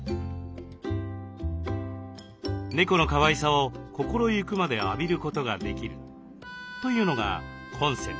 猫のかわいさを心ゆくまで浴びることができるというのがコンセプト。